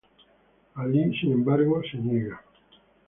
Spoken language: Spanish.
Ally sin embargo, se niega.